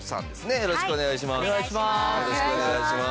よろしくお願いします。